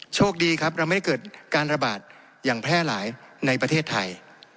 โชคดีครับเราไม่ได้เกิดการระบาดอย่างแพร่หลายในประเทศไทย